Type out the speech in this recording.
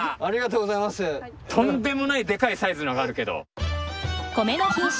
とんでもないでかいサイズのがあるけど。